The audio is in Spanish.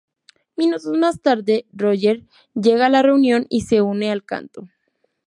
Minutos más tarde, Roger llega a la reunión y se une al canto.